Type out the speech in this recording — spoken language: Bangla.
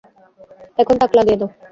এখন তাক লাগিয়ে দাও।